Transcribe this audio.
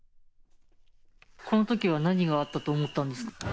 このときは何があったと思ったんですか。